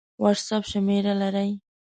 وټس اپ شمېره لرئ؟